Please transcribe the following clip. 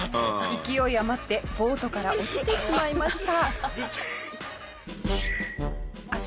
勢い余ってボートから落ちてしまいました。